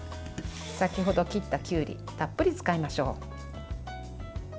先程切ったきゅうりたっぷり使いましょう。